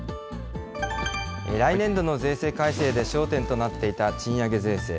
来年度の税制改正で焦点となっていた賃上げ税制。